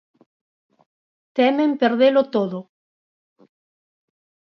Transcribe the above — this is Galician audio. Temen perdelo todo.